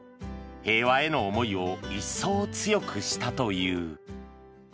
平和への思いを一層強くしたという。